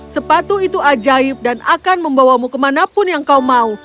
sepatu itu ajaib dan akan membawamu kemanapun yang kau mau